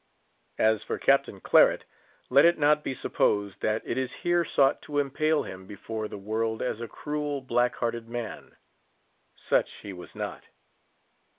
As for Captain Claret, let it not be supposed that it is here sought to impale him before the world as a cruel, black hearted man. Such he was not.